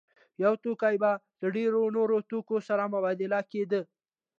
یو توکی به له ډېرو نورو توکو سره مبادله کېده